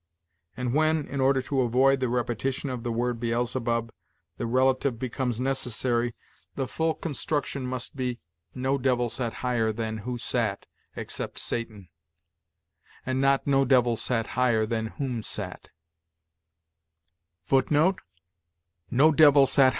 And when, in order to avoid the repetition of the word Beelzebub, the relative becomes necessary, the full construction must be, 'no devil sat higher than who sat, except Satan'; and not, 'no devil sat higher than whom sat.'